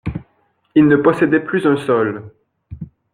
Il ne possédait plus un sol.